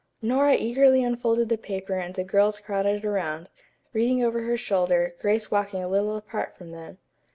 Nora eagerly unfolded the paper and the girls crowded around, reading over her shoulder, Grace walking a little apart from them.